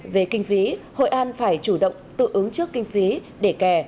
về kinh phí hội an phải chủ động tự ứng trước kinh phí để kè